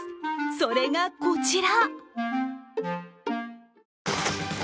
それがこちら。